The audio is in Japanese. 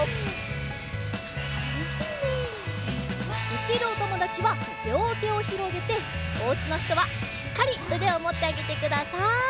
できるおともだちはりょうてをひろげておうちのひとはしっかりうでをもってあげてください。